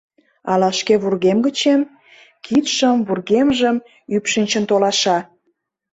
Ала шке вургем гычем? — кидшым, вургемжым ӱпшынчын толаша.